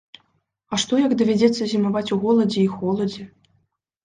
А што як давядзецца зімаваць у голадзе і холадзе?